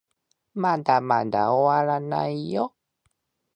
まだまだ終わらないよ